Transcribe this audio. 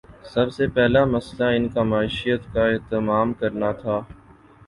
سب سے پہلا مسئلہ ان کی معیشت کا اہتمام کرنا تھا۔